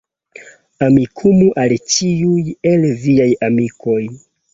Amikumu al ĉiuj el viaj amikoj